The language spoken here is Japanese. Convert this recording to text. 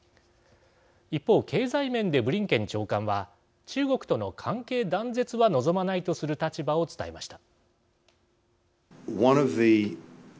一方、経済面でブリンケン長官は中国との関係断絶は望まないとする立場を伝えました。